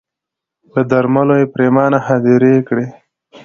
له درملو یې پرېماني هدیرې کړې